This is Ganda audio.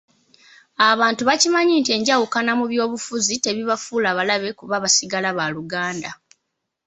Abantu bakimanye nti enjawukana mu byobufuzi tebibafuula balabe kuba basigala baluganda.